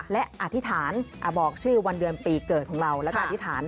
และอธิษฐานบอกชื่อวันเดือนปีเกิดของเราแล้วก็อธิษฐาน